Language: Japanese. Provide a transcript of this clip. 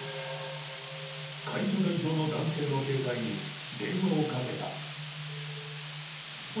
会社代表の男性の携帯に電話をかけた。